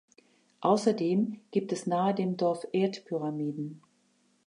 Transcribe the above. Außerdem gibt es nahe dem Dorf Erdpyramiden.